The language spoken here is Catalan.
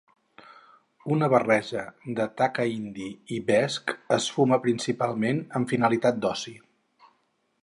Una barreja de taca indi i vesc es fuma principalment amb finalitat d'oci.